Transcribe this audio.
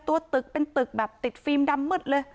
ตัวตึกเป็นตึกแบบติดฟิล์มดำมืดเลย